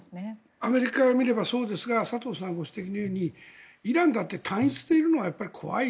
アメリカから見ればそうですが佐藤さんがご指摘のようにイランだって単一でいるのはやっぱり怖い。